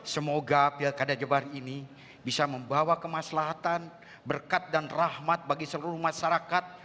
semoga pilkada jabar ini bisa membawa kemaslahatan berkat dan rahmat bagi seluruh masyarakat